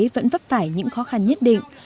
vẫn vấp phải những khó khăn nhất định